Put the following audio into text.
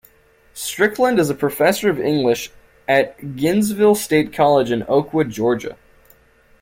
Strickland is a Professor of English at Gainesville State College in Oakwood, Georgia.